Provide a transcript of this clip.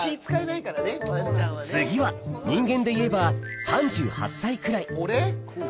次は人間でいえば３８歳くらい俺？